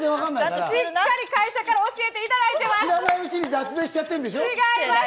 しっかり会社から教えていただいてます。